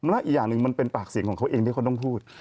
และอีกอย่างหนึ่งมันเป็นปากเสียงของเขาเองที่เขาต้องพูด